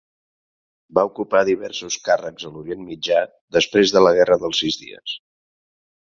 Va ocupar diversos càrrecs a l'Orient Mitjà després de la Guerra dels Sis Dies.